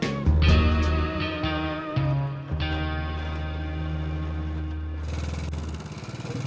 rada vilainya tuh